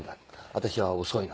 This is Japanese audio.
「私は遅いの」。